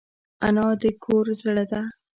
انا د کور زړه ده